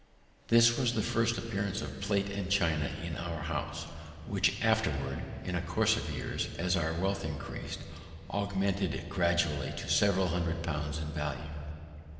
This was the first appearance of plate and China in our house, which afterward, in a course of years, as our wealth increas'd, augmented gradually to several hundred pounds in value.